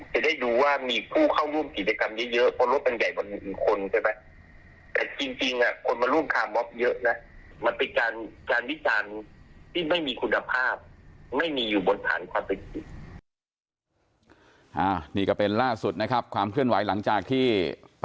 จะได้ดูว่ามีผู้เข้าร่วมกิจกรรมเยอะเพราะว่าเป็นใหญ่กว่าอื่นคนใช่ไหม